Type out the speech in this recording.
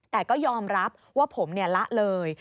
แต่ก็ยอมรับว่าผมละเลย